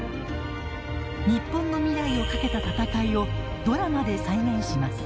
日本の未来を賭けた闘いをドラマで再現します。